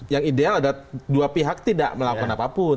yang ideal ada dua pihak tidak melakukan apapun